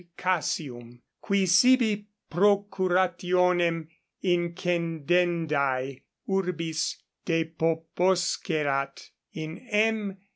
Cassium, qui sibi procurationem incendendae urbis depoposcerat, in M.